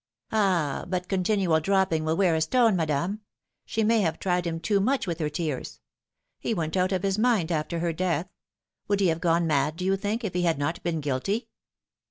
" Ah, but continual dropping will wear a stone, madame. She may have tried him too much with her tears. He went out of his mind after her death. Would he have gone mad, do you think, if he had not been guilty